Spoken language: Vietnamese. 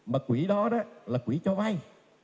mà quỹ đó là quỹ cho vay